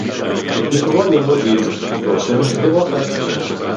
לִכְאוֹרָה יוֹם רָגִיל, בּוֹ הַשֶּׁמֶשׁ זוֹרַחַת